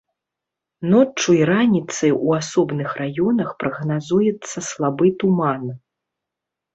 Ноччу і раніцай у асобных раёнах прагназуецца слабы туман.